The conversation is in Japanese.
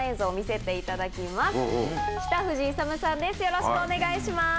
よろしくお願いします。